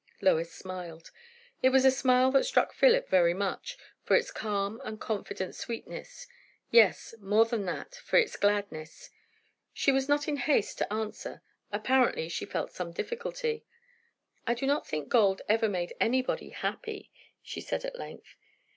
Lois smiled. It was a smile that struck Philip very much, for its calm and confident sweetness; yes, more than that; for its gladness. She was not in haste to answer; apparently she felt some difficulty. "I do not think gold ever made anybody happy," she said at length.